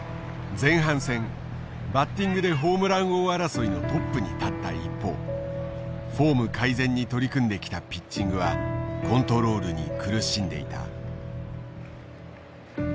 前半戦バッティングでホームラン王争いのトップに立った一方フォーム改善に取り組んできたピッチングはコントロールに苦しんでいた。